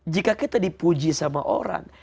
jika kita dipuji sama orang